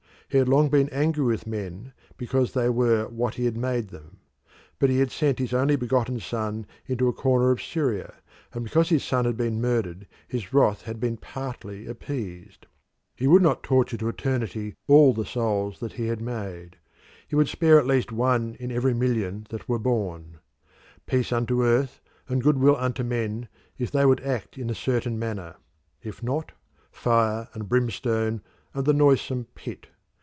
He had long been angry with men because they were what he had made them. But he sent his only begotten son into a corner of Syria, and because his son had been murdered his wrath had been partly appeased. He would not torture to eternity all the souls that he had made; he would spare at least one in every million that were born. Peace unto earth and goodwill unto men if they would act in a certain manner; if not, fire and brimstone and the noisome pit.